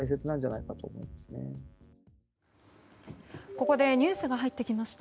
ここでニュースが入ってきました。